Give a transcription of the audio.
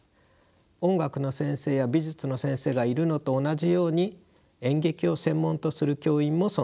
音楽の先生や美術の先生がいるのと同じように演劇を専門とする教員も存在します。